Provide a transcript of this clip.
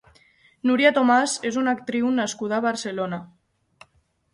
Núria Tomás és una actriu nascuda a Barcelona.